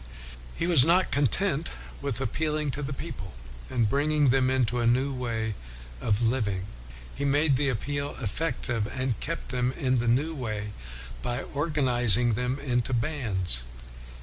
He was not content with appealing to the people, and bringing them into a new way of living, he made the appeal effective and kept them in the new way by organizing them into bands.